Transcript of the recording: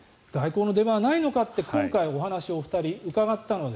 外交の出番はないのかと今回お話をお二人に伺いました。